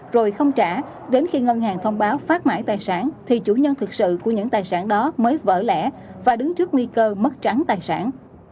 rồi không trả đến khi ngân hàng thông báo phát mãi tài sản thì chủ nhân thực sự của những tài sản đó mới vỡ lẻ và đứng trước nguy cơ mất trắng tài sản